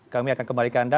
kami akan kembali ke anda